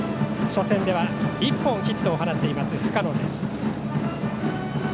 初戦では１本ヒットを放っている深野です。